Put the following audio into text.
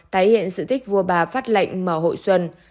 tái hiện sự tích vua bà phát lệnh mở hội xuân